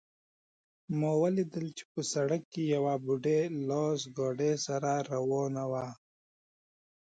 ما ولیدل چې په سړک کې یوه بوډۍ لاس ګاډۍ سره روانه وه